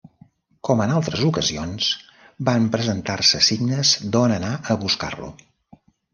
Com en altres ocasions, van presentar-se signes d'on anar a buscar-lo.